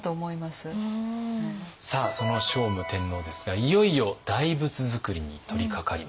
さあその聖武天皇ですがいよいよ大仏づくりに取りかかります。